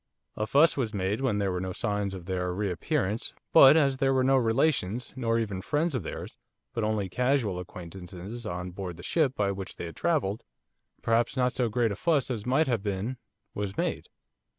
A fuss was made when there were no signs of their re appearance, but as there were no relations, nor even friends of theirs, but only casual acquaintances on board the ship by which they had travelled, perhaps not so great a fuss as might have been was made.